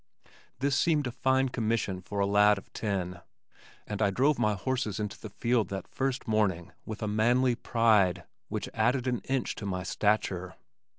This seemed a fine commission for a lad of ten, and I drove my horses into the field that first morning with a manly pride which added an inch to my stature.